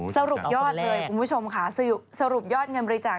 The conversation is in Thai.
สรุปยอดเลยคุณผู้ชมค่ะสรุปยอดเงินบริจาค